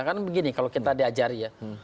kan begini kalau kita diajari ya